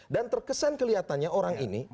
terkesan kelihatannya orang ini